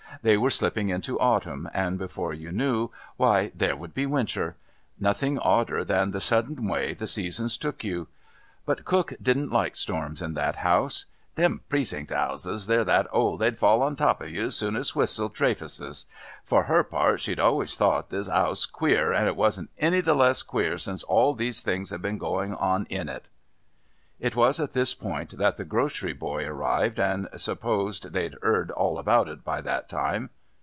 They were slipping into Autumn, and before you knew, why, there would be Winter! Nothing odder than the sudden way the Seasons took you! But Cook didn't like storms in that house. "Them Precincts 'ouses, they're that old, they'd fall on top of you as soon as whistle Trefusis! For her part she'd always thought this 'ouse queer, and it wasn't any the less queer since all these things had been going on in it." It was at this point that the grocery "boy" arrived and supposed they'd 'eard all about it by that time.